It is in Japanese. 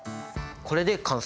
これで完成？